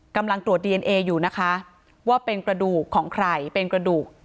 กำลังตรวจดีเอนเออยู่นะคะว่าเป็นกระดูกของใครเป็นกระดูก